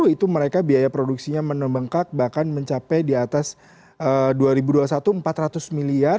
itu mereka biaya produksinya menembengkak bahkan mencapai di atas dua ribu dua puluh satu empat ratus miliar